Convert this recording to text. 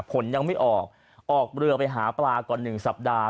ผลยังไม่ออกออกเรือไปหาปลาก่อน๑สัปดาห์